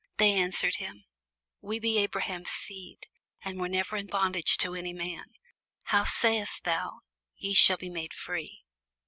They answered him, We be Abraham's seed, and were never in bondage to any man: how sayest thou, Ye shall be made free?